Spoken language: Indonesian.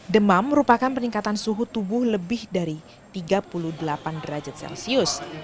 demam merupakan peningkatan suhu tubuh lebih dari tiga puluh delapan derajat celcius